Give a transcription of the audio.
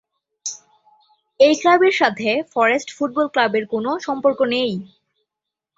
এই ক্লাবের সাথে ফরেস্ট ফুটবল ক্লাবের কোন সম্পর্ক নেই।